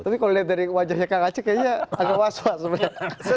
tapi kalau dilihat dari wajahnya kak gacik kayaknya agak waswas sebenarnya